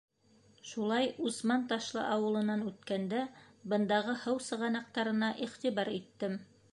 Шулай, Усман-Ташлы ауылынан үткәндә, бындағы һыу сығанаҡтарына иғтибар иттем.